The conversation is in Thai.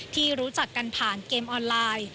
ที่รู้จักกันผ่านเกมออนไลน์